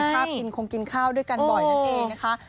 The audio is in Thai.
มีค่ากินคงกินข้าวด้วยกันบ่อยนั่นเอง